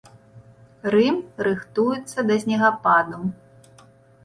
Рым рыхтуецца да снегападу.